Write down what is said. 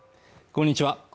こんにちは